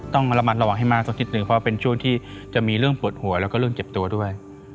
ต้องระมัดระวังให้มากสักนิดนึงเพราะว่าเป็นช่วงที่จะมีเรื่องปวดหัวแล้วก็เรื่องเจ็บตัวด้วย